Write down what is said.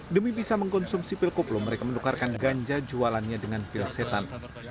demi bisa mengkonsumsi pil koplo mereka menukarkan ganja jualannya dengan pil setan